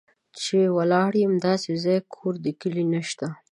چې ولاړ یم داسې ځای، کور د کلي نه شته